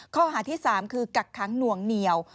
ข้อหาที่๓คือกักค้างหน่วงเหนียว